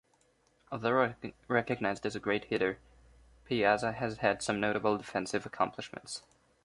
Although recognized as a great hitter, Piazza has had some notable defensive accomplishments.